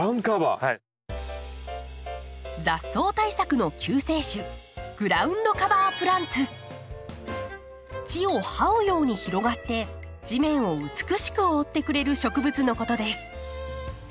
雑草対策の救世主地をはうように広がって地面を美しく覆ってくれる植物のことです。